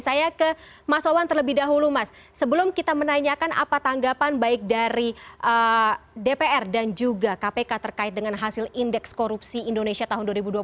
saya ke mas wawan terlebih dahulu mas sebelum kita menanyakan apa tanggapan baik dari dpr dan juga kpk terkait dengan hasil indeks korupsi indonesia tahun dua ribu dua puluh